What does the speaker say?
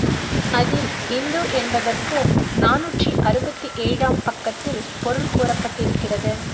அதில் இந்து என்பதற்கு நாநூற்று அறுபத்தேழு ஆம் பக்கத்தில் பொருள் கூறப்பட்டிருக்கிறது.